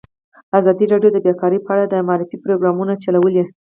ازادي راډیو د بیکاري په اړه د معارفې پروګرامونه چلولي.